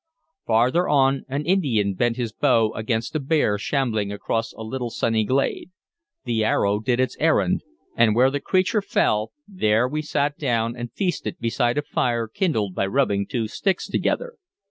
Farther on, an Indian bent his bow against a bear shambling across a little sunny glade. The arrow did its errand, and where the creature fell, there we sat down and feasted beside a fire kindled by rubbing two sticks together.